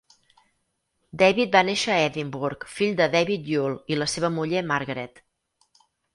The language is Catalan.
David va néixer a Edinburgh, fill de David Yule i la seva muller Margaret.